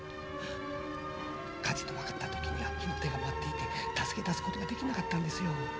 火事と分かった時には火の手が回っていて助け出す事ができなかったんですよ。